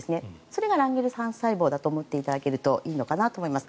それがランゲルハンス細胞と思っていただけるといいのかなと思います。